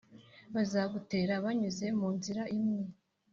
Bazagutera banyuze mu nzira imwe,